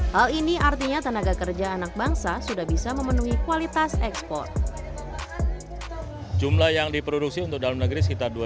hal ini artinya tenaga kerja anak bangsa sudah bisa memenuhi kualitas ekspor